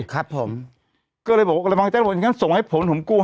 ครับผมก็เลยบอกว่าบางแจก็บอกทีนี้ส่งไว้ผมผมกูให้